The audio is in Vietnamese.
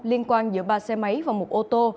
liên quan giữa ba xe máy và một ô tô